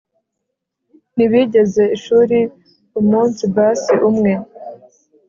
ntibigeze ishuri umunsi basi umwe